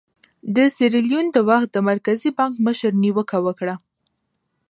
د سیریلیون د وخت د مرکزي بانک مشر نیوکه وکړه.